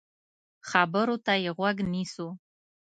خبرو ته يې غوږ نیسو.